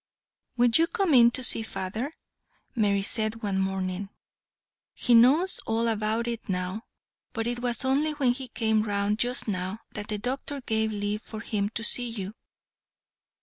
"Will you come in to see father?" Mary said one morning; "he knows all about it now; but it was only when he came round just now that the doctor gave leave for him to see you."